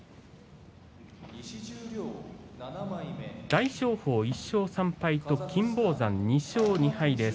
大翔鵬、１勝３敗金峰山、２勝２敗